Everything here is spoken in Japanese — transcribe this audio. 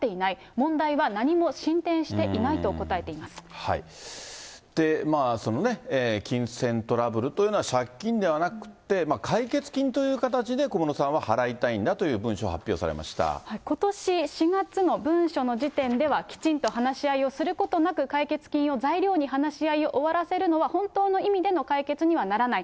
問題は何も進展していないと答え金銭トラブルというのは借金ではなくって、解決金という形で小室さんは払いたいんだという文書を発表されまことし４月の文書の時点では、きちんと話し合いをすることなく、解決金を材料に話し合いを終わらせるのは、本当の意味での解決にはならない。